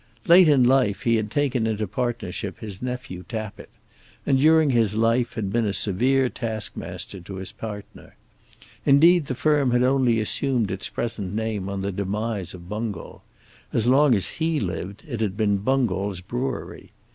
Late in life he had taken into partnership his nephew Tappitt, and during his life had been a severe taskmaster to his partner. Indeed the firm had only assumed its present name on the demise of Bungall. As long as he had lived it had been Bungall's brewery.